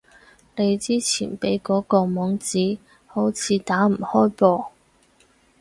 你之前畀嗰個網址，好似打唔開噃